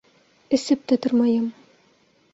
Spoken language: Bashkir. Эсеп тә тормайым...